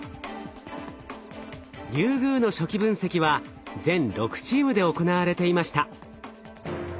リュウグウの初期分析は全６チームで行われていました。